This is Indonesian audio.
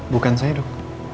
bukan saya dok